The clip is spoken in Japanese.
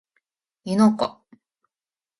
湯ノ湖